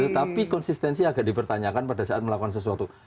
tetapi konsistensi agak dipertanyakan pada saat melakukan sesuatu